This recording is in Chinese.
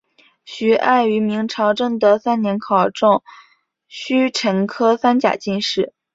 徐爱于明朝正德三年考中戊辰科三甲进士。